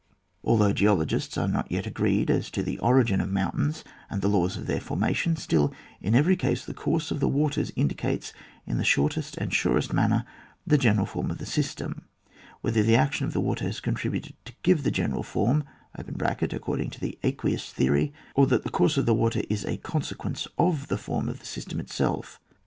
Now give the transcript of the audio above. Although geologists are not yet agreed as to the origin of mountains and the laws of their formation, still in every case the course of the waters indicates in the shortest and surest manner the general form of the system, whether the action of the water has contributed to give that general form (according to the aqueous theory), or that the course of the water is a conse quence of the form of the system itself.